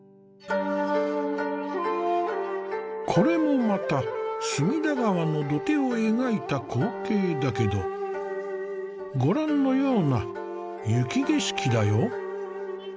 これもまた隅田川の土手を描いた光景だけどご覧のような雪景色だよ。